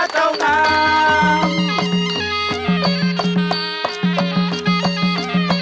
สวัสดีครับ